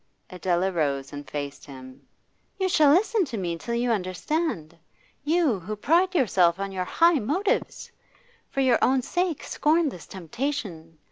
Adela rose and faced him. 'You shall listen to me till you understand. You, who pride yourself on your high motives! For your own sake scorn this temptation.